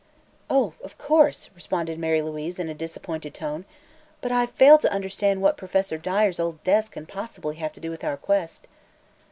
"Oh, of course," responded Mary Louise in a disappointed voice. "But I fail to understand what Professor Dyer's old desk can possibly have to do with our quest."